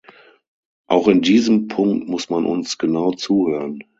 Auch in diesem Punkt muss man uns genau zuhören.